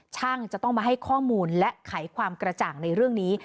จะต้องมาให้ข้อมูลและไขความกระจ่างในเรื่องนี้